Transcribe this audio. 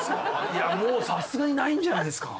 いやもうさすがにないんじゃないですか？